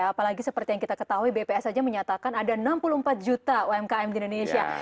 apalagi seperti yang kita ketahui bps saja menyatakan ada enam puluh empat juta umkm di indonesia